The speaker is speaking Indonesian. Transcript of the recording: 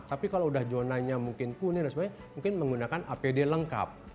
tapi kalau udah zonanya mungkin kunir dan sebagainya mungkin menggunakan apd lengkap